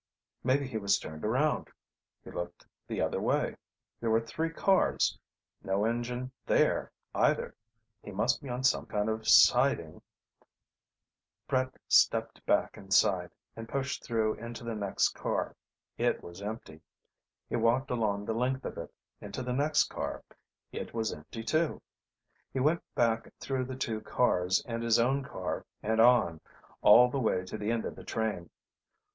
Maybe he was turned around. He looked the other way. There were three cars. No engine there either. He must be on some kind of siding ... Brett stepped back inside, and pushed through into the next car. It was empty. He walked along the length of it, into the next car. It was empty too. He went back through the two cars and his own car and on, all the way to the end of the train.